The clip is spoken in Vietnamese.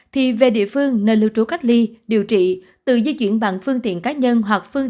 thì về địa phương nên lưu trú cách ly điều trị từ di chuyển bằng phương tiện cá nhân hoặc phương